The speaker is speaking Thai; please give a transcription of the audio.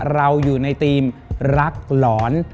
เราอยู่ในธีมรักหลอน